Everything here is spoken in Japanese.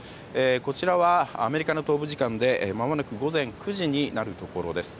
こちらはアメリカの東部時間でまもなく午前９時になるところです。